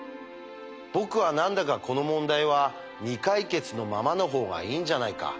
僕は何だかこの問題は未解決のままの方がいいんじゃないか。